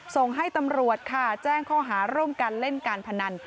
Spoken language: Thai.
ส่งให้ตำรวจค่ะแจ้งข้อหาร่วมกันเล่นการพนัน